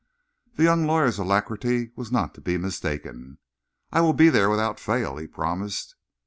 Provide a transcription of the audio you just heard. The young lawyer's alacrity was not to be mistaken. "I will be there without fail," he promised.